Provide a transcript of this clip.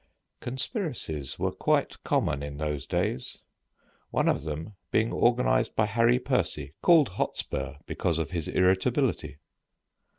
Conspiracies were quite common in those days, one of them being organized by Harry Percy, called "Hotspur" because of his irritability.